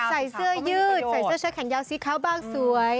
ใส่เสื้อยืดใส่เสื้อเชิดแขนยาวสีขาวบ้างสวย